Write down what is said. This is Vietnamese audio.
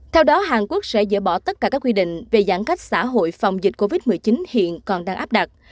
theo đó hàn quốc sẽ dỡ bỏ tất cả các quy định về giãn cách xã hội phòng dịch covid một mươi chín hiện còn đang áp đặt